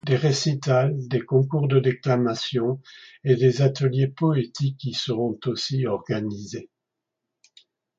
Des récitals, des concours de déclamations et des ateliers poétiques y seront aussi organisés.